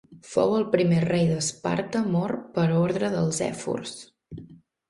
Fou el primer rei d'Esparta mort per ordre dels èfors.